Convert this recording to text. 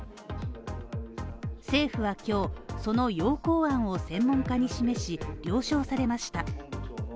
政府は今日、その要綱案を専門家に示し、了承されました。